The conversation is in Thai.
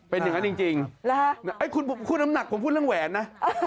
เป็นอย่างนั้นจริงคุณผมพูดน้ำหนักผมพูดเรื่องแหวนนะ